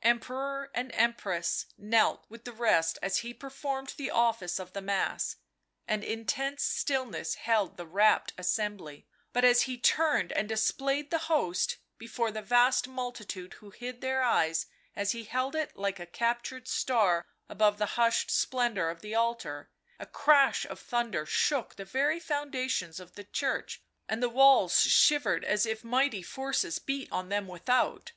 Emperor and Empress knelt with the rest as he performed the office of the mass ; an intense stillness held the rapt assembly, but as he turned and displayed the Host, before the vast multitude who hid their eyes, as he held it like a captured star above the hushed splendour of the altar, a crash of thunder shook the very foundations of the church, and the walls shivered as if mighty forces beat on them without.